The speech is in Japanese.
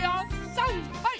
さんはい！